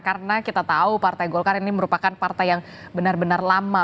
karena kita tahu partai golkar ini merupakan partai yang benar benar lama